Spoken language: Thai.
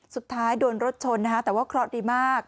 สุดท้ายโดนรถชนนะคะแต่ว่าเคราะห์ดีมาก